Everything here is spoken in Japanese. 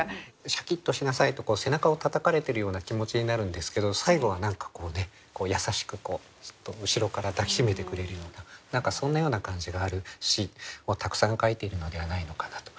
シャキッとしなさいと背中をたたかれているような気持ちになるんですけど最後は何かこうね優しくそっと後ろから抱き締めてくれるような何かそんなような感じがある詩をたくさん書いているのではないのかなと。